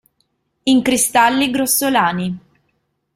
In cristalli grossolani.